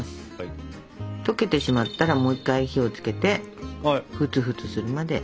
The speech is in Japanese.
溶けてしまったらもう一回火をつけてフツフツするまで。